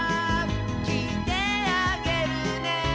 「きいてあげるね」